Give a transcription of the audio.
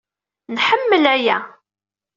Nḥemmel aya.